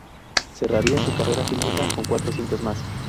Cerraría su carrera fílmica con cuatro cintas más.